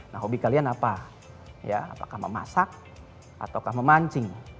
nah hobi kalian apa ya apakah memasak ataukah memancing